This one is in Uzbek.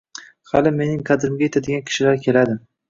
Hali mening qadrimga yetadigan kishilar keladi